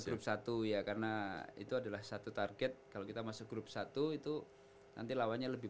grup satu ya karena itu adalah satu target kalau kita masuk grup satu itu nanti lawannya lebih